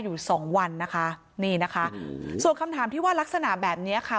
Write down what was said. อยู่สองวันนะคะนี่นะคะส่วนคำถามที่ว่ารักษณะแบบเนี้ยค่ะ